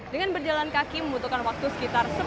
dengan berjalan kaki membutuhkan waktu sekitar